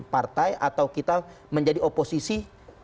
partai atau kita menjadi oposisi